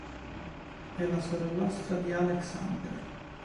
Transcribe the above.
È la sorellastra di Alex Hunter.